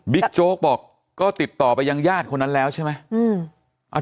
โจ๊กบอกก็ติดต่อไปยังญาติคนนั้นแล้วใช่ไหม